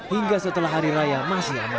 hingga setelah hari raya masih aman